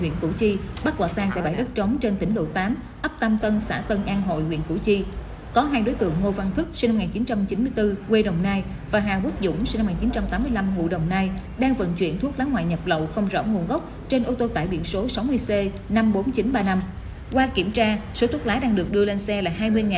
nhanh hơn cũng là